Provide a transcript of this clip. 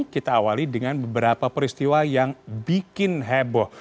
kita awali dengan beberapa peristiwa yang bikin heboh